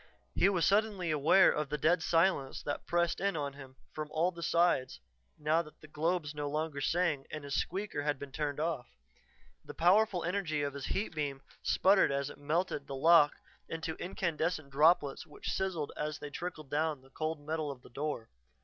He was suddenly aware of the dead silence that pressed in on him from all sides now that the globes no longer sang and his "squeaker" had been turned off. The powerful energy of his heat beam sputtered as it melted the lock into incandescent droplets which sizzled as they trickled down the cold metal of the door.